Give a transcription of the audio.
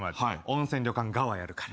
温泉旅館側やるから。